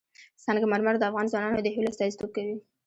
سنگ مرمر د افغان ځوانانو د هیلو استازیتوب کوي.